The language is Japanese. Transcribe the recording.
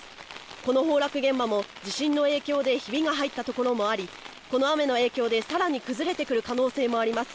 この崩落現場も地震の影響でひびの入った場所もありこの雨の影響で更に崩れてくる可能性もあります。